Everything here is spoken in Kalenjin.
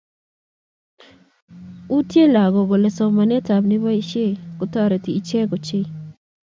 utye lagook kole somanetab nobishet kotoreti ichek ochei